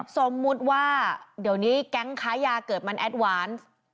สมมุติว่าเดี๋ยวนี้แก๊งค้ายาเกิดมันแอดวานซ์